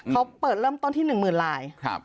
เขาเปิดเริ่มต้นที่๑๐๐๐ลาย